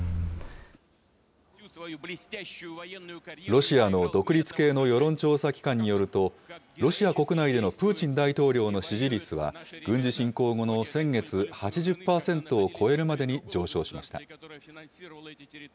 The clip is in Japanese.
ロシアの独立系の世論調査機関によりますと、ロシア国内でのプーチン大統領の支持率は、軍事侵攻後の先月、８０％を超えるまでに上昇しました。